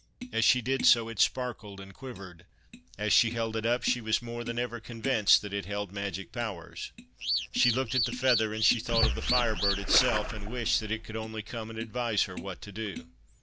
As she did so, it sparkled and quivered. As she held it up she was more than ever convinced that it held magic powers. She looked at the feather, and she thought of the Fire Bird itself, and wished that it could only come and advise her what to do.